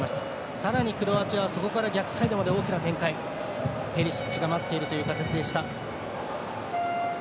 さらにクロアチアはそこから逆サイドまで展開ペリシッチが待っているという形でした。